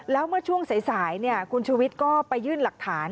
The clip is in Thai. แล้วเมื่อช่วงสายคุณชุวิตก็ไปยื่นหลักฐาน